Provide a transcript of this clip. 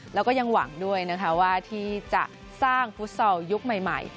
แล้วก็ยังหวังด้วยนะคะว่าที่จะสร้างฟุตซอลยุคใหม่